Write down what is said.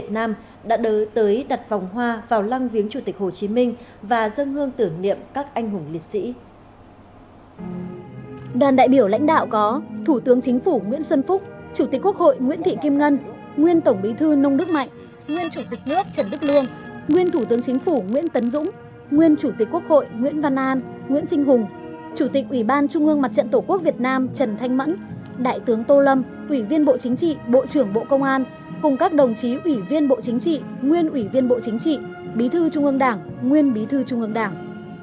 chủ tịch quốc hội nguyễn thị kim ngân nguyên tổng bí thư nông đức mạnh nguyên chủ tịch nước trần đức lương nguyên thủ tướng chính phủ nguyễn tấn dũng nguyên chủ tịch quốc hội nguyễn văn an nguyễn sinh hùng chủ tịch ủy ban trung ương mặt trận tổ quốc việt nam trần thanh mẫn đại tướng tô lâm ủy viên bộ chính trị bộ trưởng bộ công an cùng các đồng chí ủy viên bộ chính trị nguyên ủy viên bộ chính trị bí thư trung ương đảng nguyên bí thư trung ương đảng